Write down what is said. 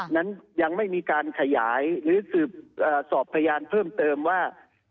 นั้นยังไม่มีการขยายหรือสืบสอบพยานเพิ่มเติมว่า